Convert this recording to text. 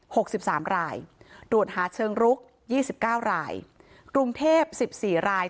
หกสิบสามรายตรวจหาเชิงรุกยี่สิบเก้ารายกรุงเทพสิบสี่ราย